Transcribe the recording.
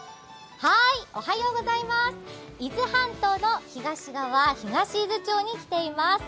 伊豆半島の東側東伊豆町に来ています。